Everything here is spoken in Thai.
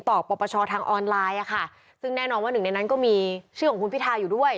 ปรปชทางออนไลน์อ่ะค่ะซึ่งแน่นอนว่าหนึ่งในนั้นก็มีชื่อของคุณพิทาอยู่ด้วย